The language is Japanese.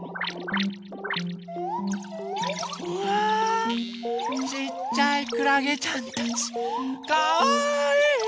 うわちっちゃいくらげちゃんたちかわいい！